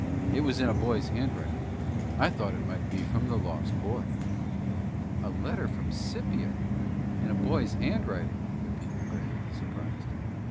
It was in a boy's handwriting. I thought it might be from the lost boy." "A letter from Scipio, in a boy's handwriting!" repeated Grant, surprised.